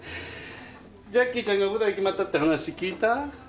ジャッキーちゃんが舞台決まったって話聞いた？